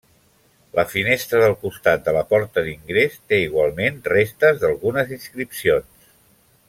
La finestra del costat de la porta d'ingrés té igualment restes d'algunes inscripcions.